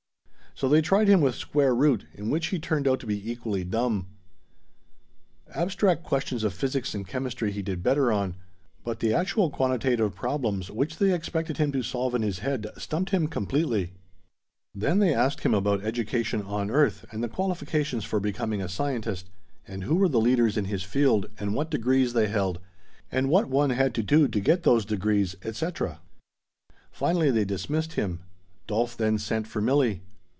So they tried him with square root, in which he turned out to be equally dumb. Abstract questions of physics and chemistry he did better on; but the actual quantitative problems, which they expected him to solve in his head, stumped him completely. Then they asked him about education on earth, and the qualifications for becoming a scientist, and who were the leaders in his field, and what degrees they held, and what one had to do to get those degrees, etc. Finally they dismissed him. Dolf then sent for Milli.